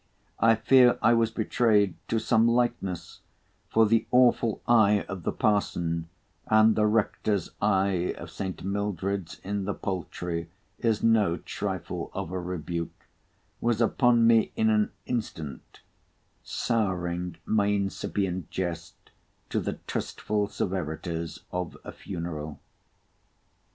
I fear I was betrayed to some lightness, for the awful eye of the parson—and the rector's eye of Saint Mildred's in the Poultry is no trifle of a rebuke—was upon me in an instant, souring my incipient jest to the tristful severities of a funeral.